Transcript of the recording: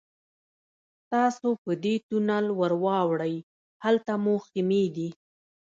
تاسو په دې تونل ورواوړئ هلته مو خیمې دي.